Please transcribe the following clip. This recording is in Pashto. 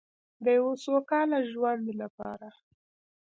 د یو سوکاله ژوند لپاره.